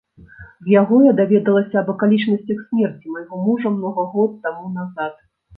З яго я даведалася аб акалічнасцях смерці майго мужа многа год таму назад.